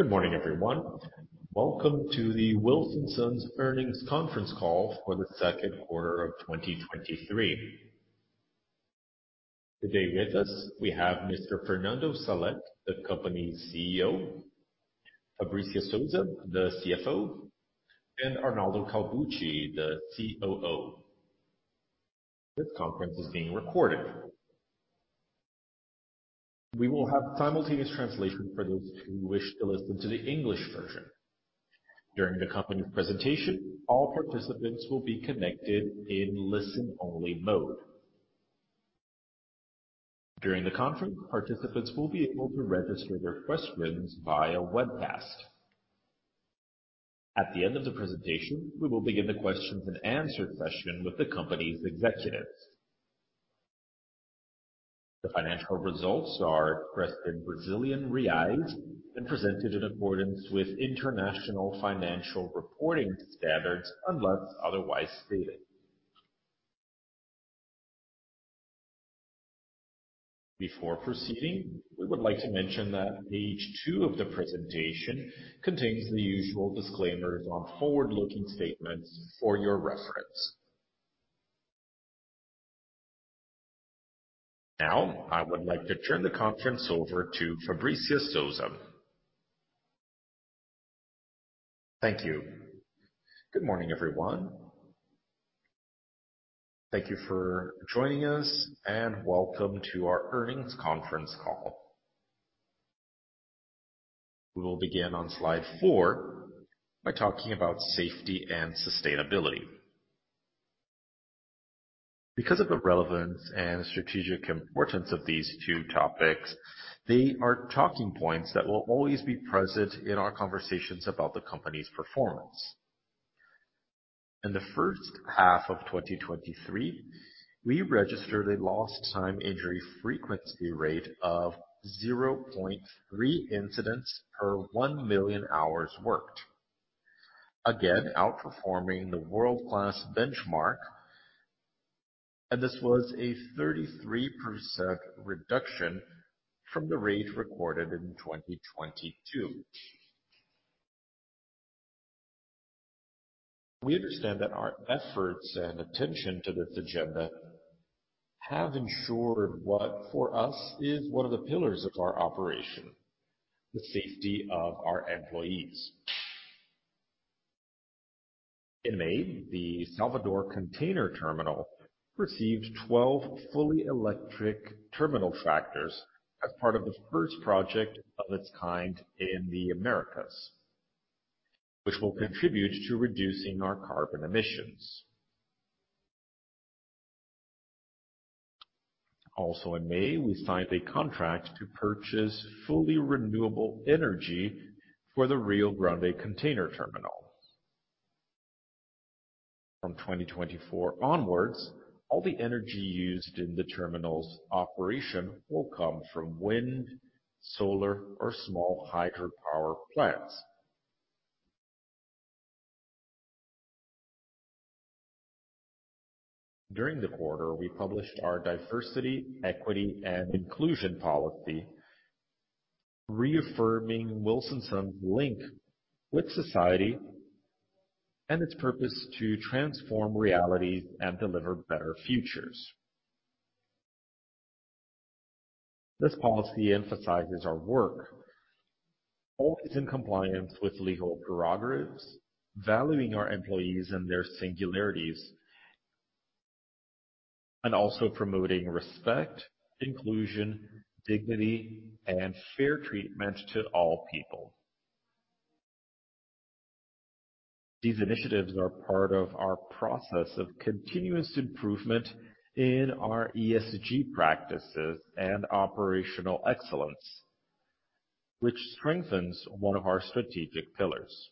Good morning, everyone. Welcome to the Wilson Sons Earnings Conference Call for the Second Quarter of 2023. Today with us, we have Mr. Fernando Salek, the company's CEO, Fabricia Souza, the CFO, and Arnaldo Calbucci, the COO. This conference is being recorded. We will have simultaneous translation for those who wish to listen to the English version. During the company's presentation, all participants will be connected in listen-only mode. During the conference, participants will be able to register their questions via webcast. At the end of the presentation, we will begin the questions and answer session with the company's executives. The financial results are pressed in Brazilian reais and presented in accordance with International Financial Reporting Standards, unless otherwise stated. Before proceeding, we would like to mention that page 2 of the presentation contains the usual disclaimers on forward-looking statements for your reference. Now, I would like to turn the conference over to Fabricia Souza. Thank you. Good morning, everyone. Thank you for joining us, and welcome to our earnings conference call. We will begin on Slide 4 by talking about safety and sustainability. Because of the relevance and strategic importance of these two topics, they are talking points that will always be present in our conversations about the company's performance. In the H1 of 2023, we registered a lost time injury frequency rate of 0.3 incidents per 1 million hours worked. Again, outperforming the world-class benchmark, and this was a 33% reduction from the rate recorded in 2022. We understand that our efforts and attention to this agenda have ensured what for us is one of the pillars of our operation, the safety of our employees. In May, the Salvador Container Terminal received 12 fully electric terminal tractors as part of the first project of its kind in the Americas, which will contribute to reducing our carbon emissions. Also in May, we signed a contract to purchase fully renewable energy for the Rio Grande Container Terminal. From 2024 onwards, all the energy used in the terminal's operation will come from wind, solar, or small hydropower plants. During the quarter, we published our Diversity, Equity and Inclusion Policy, reaffirming Wilson Sons link with society and its purpose to transform reality and deliver better futures. This policy emphasizes our work, both in compliance with legal prerogatives, valuing our employees and their singularities, and also promoting respect, inclusion, dignity, and fair treatment to all people. These initiatives are part of our process of continuous improvement in our ESG practices and operational excellence, which strengthens one of our strategic pillars.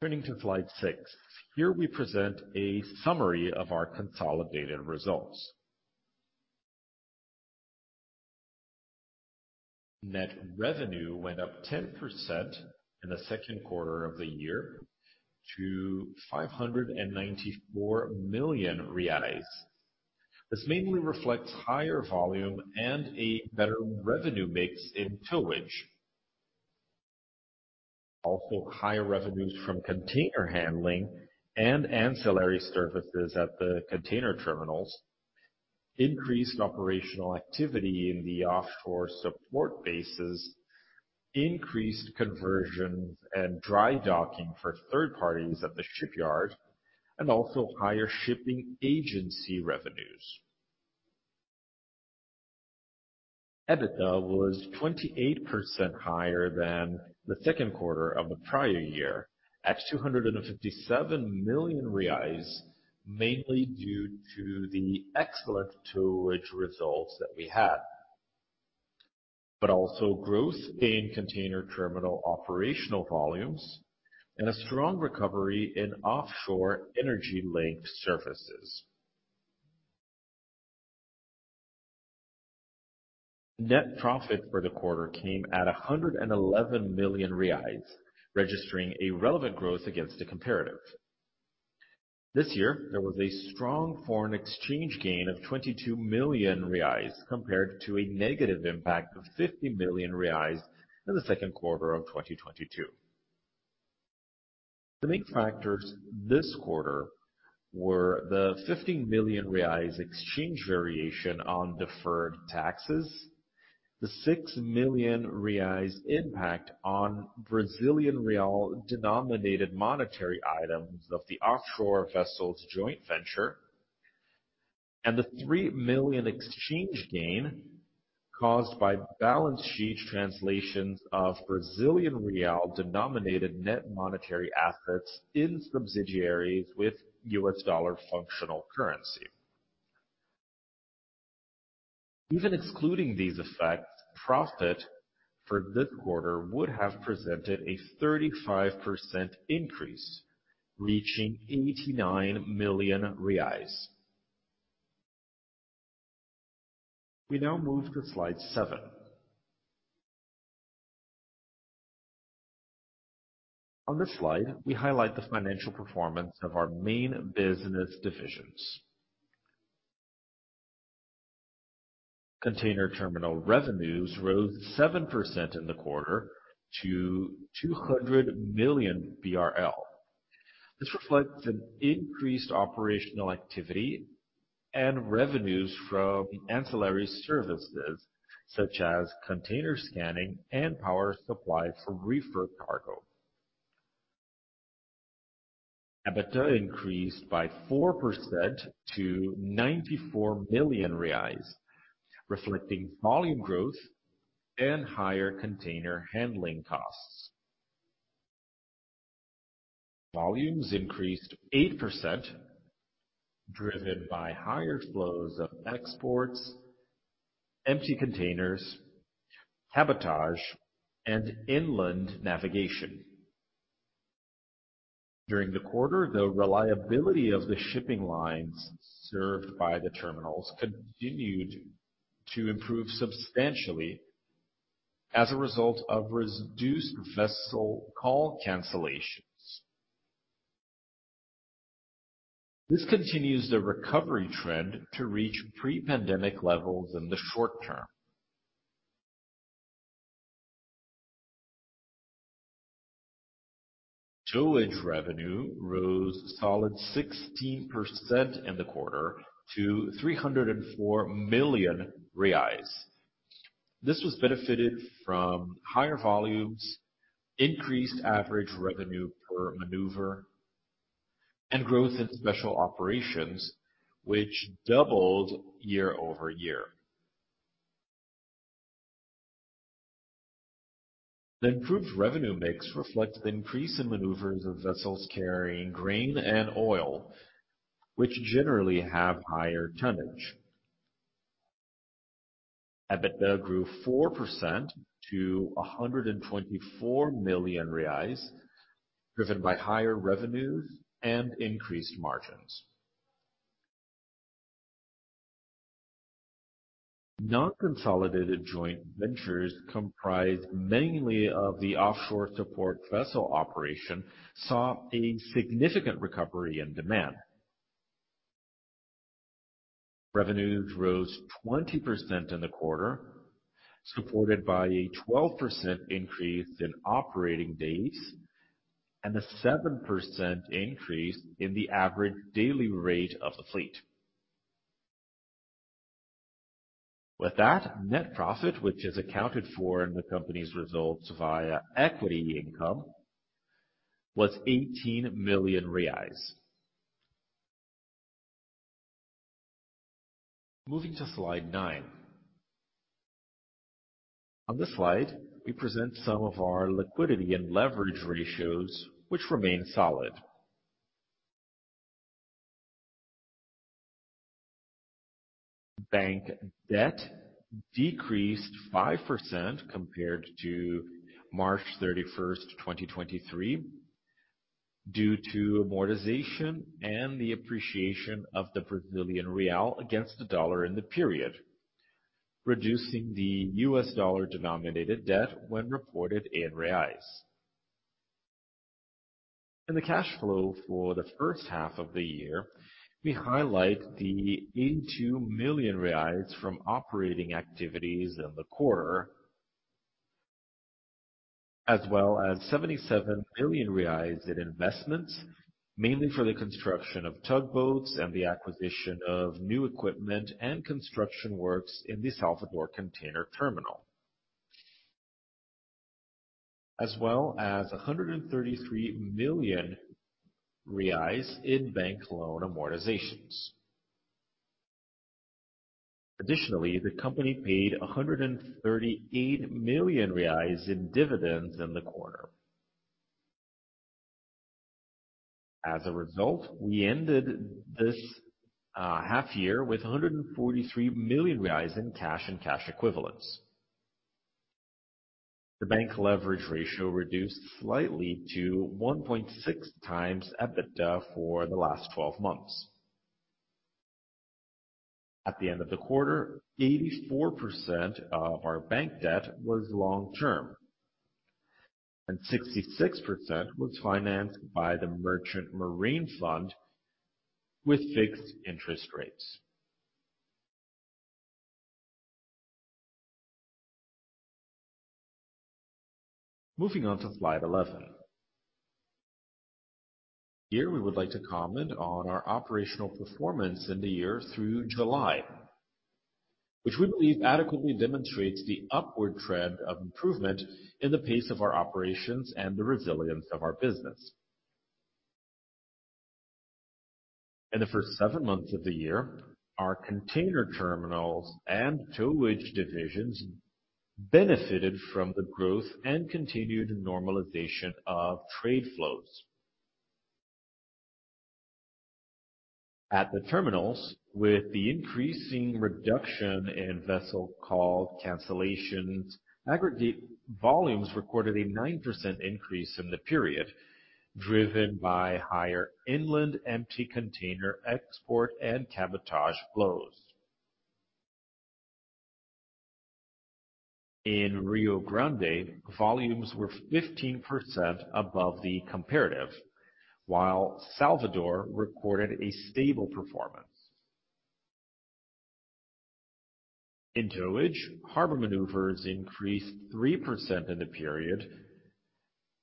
Turning to Slide 6. Here, we present a summary of our consolidated results. Net revenue went up 10% in the second quarter of the year to 594 million reais. This mainly reflects higher volume and a better revenue mix in towage. Also, higher revenues from container handling and ancillary services at the container terminals, increased operational activity in the offshore support bases, increased conversions and dry docking for third parties at the shipyard, and also higher shipping agency revenues. EBITDA was 28 higher than the second quarter of the prior year, at 257 million reais, mainly due to the excellent towage results that we had, but also growth in container terminal operational volumes and a strong recovery in offshore energy-linked services. Net profit for the quarter came at 111 million reais, registering a relevant growth against the comparative. This year, there was a strong foreign exchange gain of 22 million reais, compared to a negative impact of 50 million reais in the second quarter of 2022. The main factors this quarter were the 50 million reais exchange variation on deferred taxes, the 6 million reais impact on Brazilian real denominated monetary items of the offshore vessels joint venture, and the 3 million exchange gain caused by balance sheet translations of Brazilian real denominated net monetary assets in subsidiaries with US dollar functional currency. Even excluding these effects, profit for this quarter would have presented a 35% increase, reaching BRL 89 million. We now move to Slide 7. On this Slide, we highlight the financial performance of our main business divisions. Container terminal revenues rose 7% in the quarter to 200 million BRL. This reflects an increased operational activity and revenues from ancillary services, such as container scanning and power supply for reefer cargo. EBITDA increased by 4% to 94 million reais, reflecting volume growth and higher container handling costs. Volumes increased 8%, driven by higher flows of exports, empty containers, cabotage, and inland navigation. During the quarter, the reliability of the shipping lines served by the terminals continued to improve substantially as a result of reduced vessel call cancellations. This continues the recovery trend to reach pre-pandemic levels in the short term. Towage revenue rose a solid 16% in the quarter to 304 million reais. This was benefited from higher volumes, increased average revenue per maneuver, and growth in special operations, which doubled year-over-year. The improved revenue mix reflects the increase in maneuvers of vessels carrying grain and oil, which generally have higher tonnage. EBITDA grew 4% to 124 million reais, driven by higher revenues and increased margins. Non-consolidated joint ventures, comprised mainly of the offshore support vessel operation, saw a significant recovery in demand. Revenues rose 20% in the quarter, supported by a 12% increase in operating days and a 7% increase in the average daily rate of the fleet. With that net profit, which is accounted for in the company's results via equity income, was BRL 18 million. Moving to Slide 9. On this Slide, we present some of our liquidity and leverage ratios, which remain solid. Bank debt decreased 5% compared to March 31st, 2023, due to amortization and the appreciation of the Brazilian real against the US dollar in the period, reducing the US dollar-denominated debt when reported in Brazilian real. In the cash flow for the first half of the year, we highlight the 82 million reais from operating activities in the quarter, as well as 77 million reais in investments, mainly for the construction of tugboats and the acquisition of new equipment and construction works in the Salvador Container Terminal, as well as 133 million reais in bank loan amortizations. Additionally, the company paid 138 million reais in dividends in the quarter. As a result, we ended this half year with 143 million reais in cash and cash equivalents. The bank leverage ratio reduced slightly to 1.6x EBITDA for the last 12 months. At the end of the quarter, 84% of our bank debt was long-term, and 66% was financed by the Merchant Marine Fund with fixed interest rates. Moving on to Slide 11. Here, we would like to comment on our operational performance in the year through July, which we believe adequately demonstrates the upward trend of improvement in the pace of our operations and the resilience of our business. In the first seven months of the year, our container terminals and towage divisions benefited from the growth and continued normalization of trade flows. At the terminals, with the increasing reduction in vessel call cancellations, aggregate volumes recorded a 9% increase in the period, driven by higher inland empty container export and cabotage flows. In Rio Grande, volumes were 15% above the comparative, while Salvador recorded a stable performance. In towage, harbor maneuvers increased 3% in the period,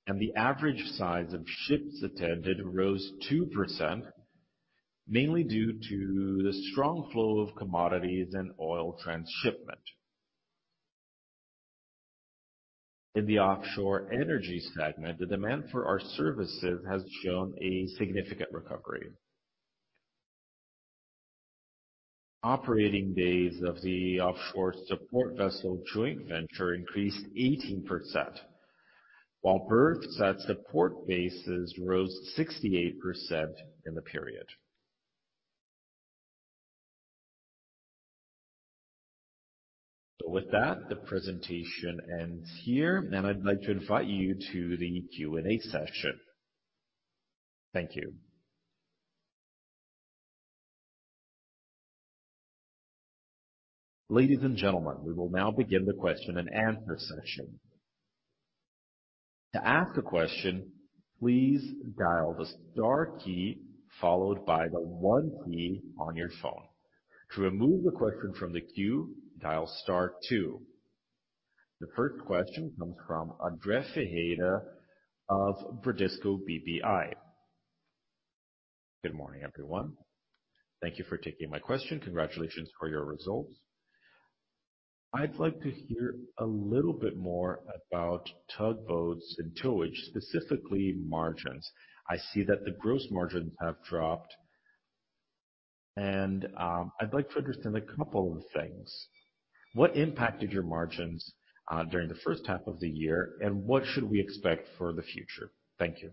and the average size of ships attended rose 2%, mainly due to the strong flow of commodities and oil transshipment. In the offshore energy segment, the demand for our services has shown a significant recovery. Operating days of the offshore support vessel joint venture increased 18%, while berths at support bases rose 68% in the period. With that, the presentation ends here, and I'd like to invite you to the Q&A session. Thank you. Ladies and gentlemen, we will now begin the question and answer session. To ask a question, please dial the star key, followed by the 1 key on your phone. To remove the question from the queue, dial star two. The first question comes from Andre Ferreira of Bradesco BBI. Good morning, everyone. Thank you for taking my question. Congratulations for your results. I'd like to hear a little bit more about tugboats and towage, specifically margins. I see that the gross margins have dropped, and I'd like to understand a couple of things. What impacted your margins during the first half of the year, and what should we expect for the future? Thank you.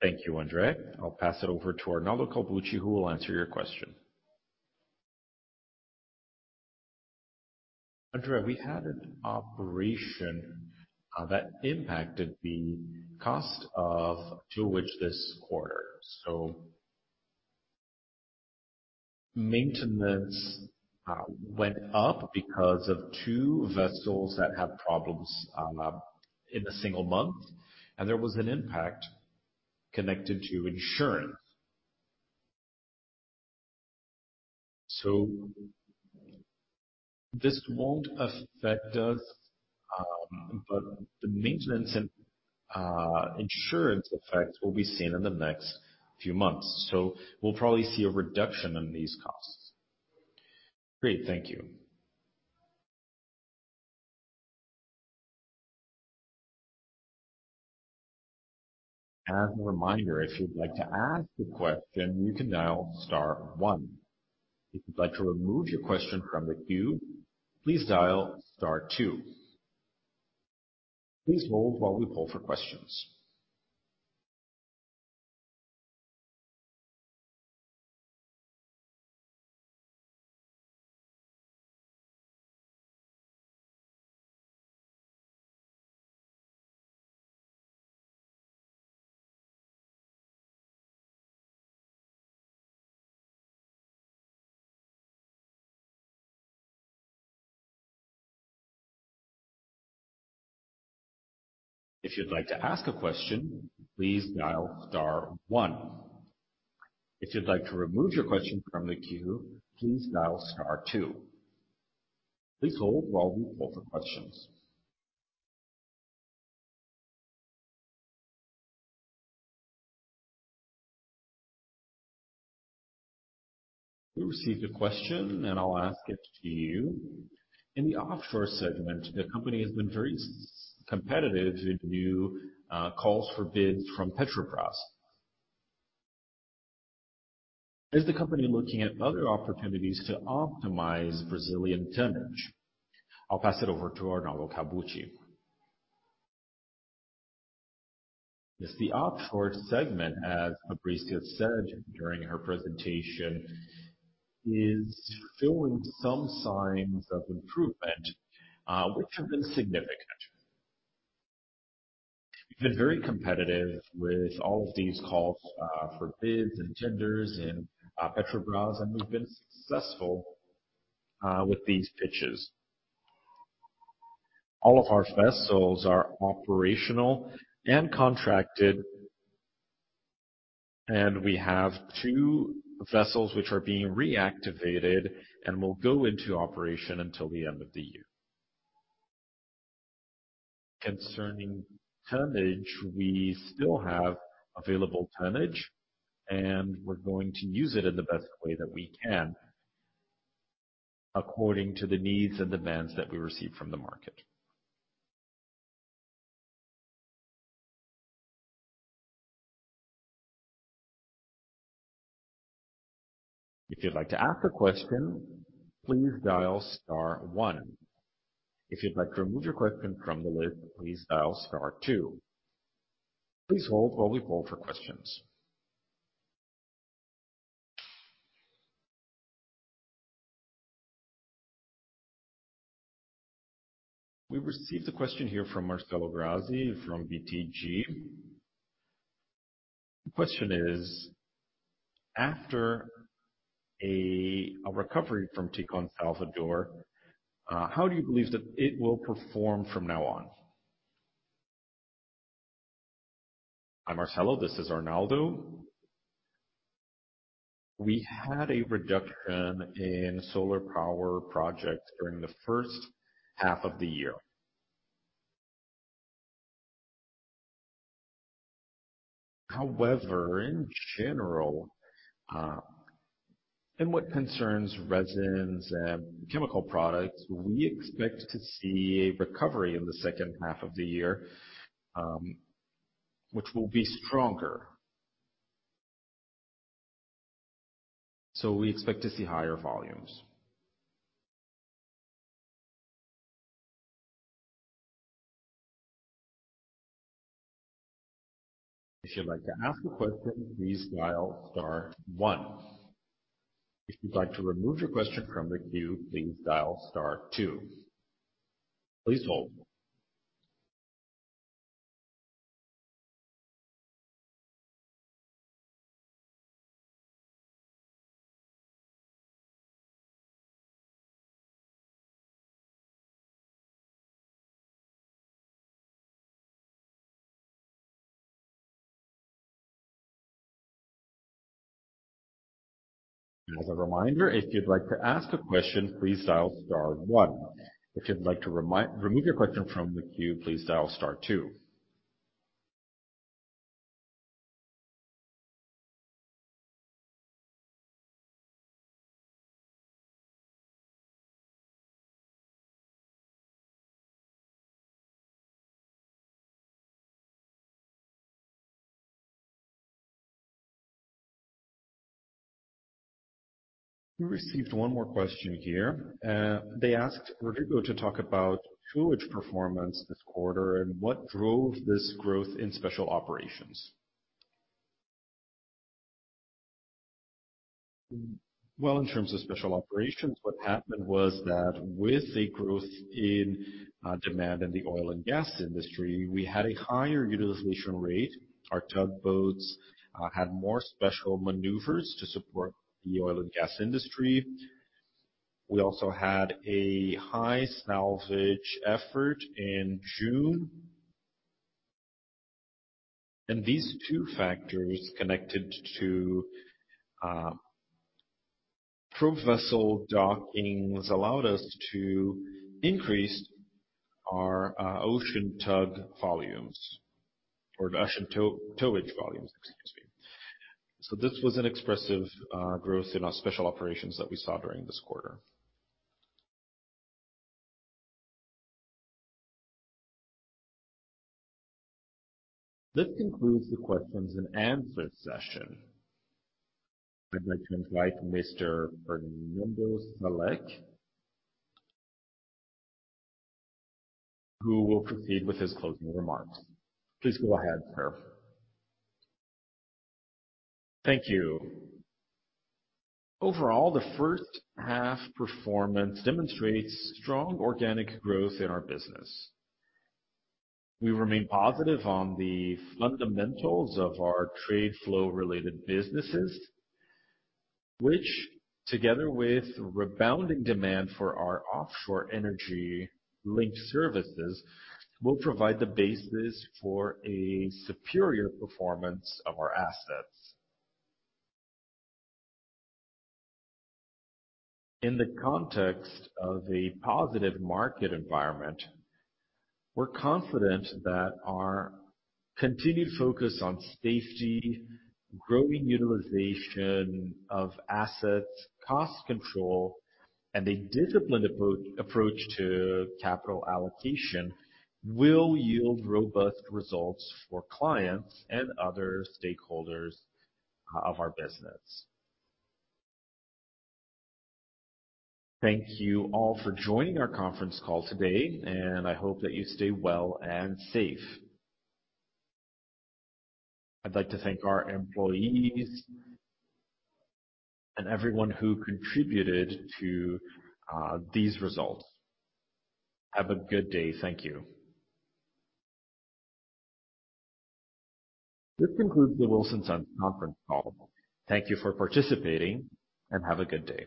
Thank you, Andre. I'll pass it over to Arnaldo Calbucci, who will answer your question. Andre, we had an operation that impacted the cost of towage this quarter. Maintenance went up because of 2 vessels that had problems in a single month, and there was an impact connected to insurance. This won't affect us, but the maintenance and insurance effect will be seen in the next few months, so we'll probably see a reduction in these costs. Great. Thank you. As a reminder, if you'd like to ask the question, you can dial star one. If you'd like to remove your question from the queue, please dial star two. Please hold while we pull for questions. If you'd like to ask a question, please dial star one. If you'd like to remove your question from the queue, please dial star two. Please hold while we pull for questions. We received a question, I'll ask it to you. In the offshore segment, the company has been very competitive to do calls for bids from Petrobras. Is the company looking at other opportunities to optimize Brazilian tonnage? I'll pass it over to Arnaldo Calbucci. Yes, the offshore segment, as Fabrice has said during her presentation, is showing some signs of improvement, which have been significant. We've been very competitive with all of these calls for bids and tenders and Petrobras, and we've been successful with these pitches. All of our vessels are operational and contracted, and we have two vessels which are being reactivated and will go into operation until the end of the year. Concerning tonnage, we still have available tonnage, and we're going to use it in the best way that we can, according to the needs and demands that we receive from the market. If you'd like to ask a question, please dial star one. If you'd like to remove your question from the list, please dial star two. Please hold while we call for questions. We've received a question here from Marcelo Grazi, from BTG. The question is: After a recovery from Tecon Salvador, how do you believe that it will perform from now on? Hi, Marcelo, this is Arnaldo. We had a reduction in solar power project during the first half of the year. However, in general, in what concerns resins and chemical products, we expect to see a recovery in the second half of the year, which will be stronger. We expect to see higher volumes. If you'd like to ask a question, please dial star one. If you'd like to remove your question from the queue, please dial star two. Please hold. As a reminder, if you'd like to ask a question, please dial star one. If you'd like to remove your question from the queue, please dial star two. We received one more question here. They asked Rodrigo to talk about tonnage performance this quarter and what drove this growth in special operations. Well, in terms of special operations, what happened was that with a growth in demand in the oil and gas industry, we had a higher utilization rate. Our tugboats had more special maneuvers to support the oil and gas industry. We also had a high salvage effort in June. These two factors connected to probe vessel dockings, allowed us to increase our ocean tug volumes or the ocean tow, towage volumes, excuse me. This was an expressive growth in our special operations that we saw during this quarter. This concludes the questions and answer session. I'd like to invite Mr. Fernando Salek, who will proceed with his closing remarks. Please go ahead, sir. Thank you. Overall, the first half performance demonstrates strong organic growth in our business. We remain positive on the fundamentals of our trade flow-related businesses, which, together with rebounding demand for our offshore energy-linked services, will provide the basis for a superior performance of our assets. In the context of a positive market environment, we're confident that our continued focus on safety, growing utilization of assets, cost control, and a disciplined approach to capital allocation, will yield robust results for clients and other stakeholders of our business. Thank you all for joining our conference call today, and I hope that you stay well and safe. I'd like to thank our employees and everyone who contributed to these results. Have a good day. Thank you. This concludes the Wilson Sons conference call. Thank you for participating, and have a good day.